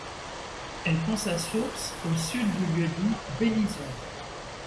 Elle prend sa source au sud du lieu-dit Belizon.